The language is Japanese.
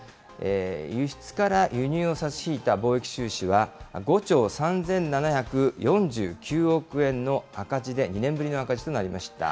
輸出から輸入を差し引いた貿易収支は、５兆３７４９億円の赤字で、２年ぶりの赤字となりました。